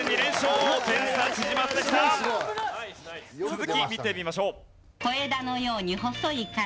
続き見てみましょう。